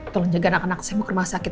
tolong jaga anak anak saya mau ke rumah sakit